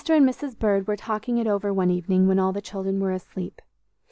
and Mrs. Bird were talking it over one evening when all the children were asleep.